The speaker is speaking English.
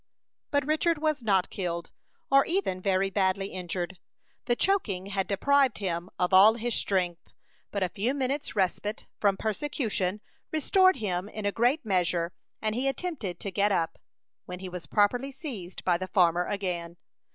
But Richard was not killed, or even very badly injured. The choking had deprived him of all his strength; but a few minutes' respite from persecution restored him in a great measure, and he attempted to get up, when he was promptly seized by the farmer again.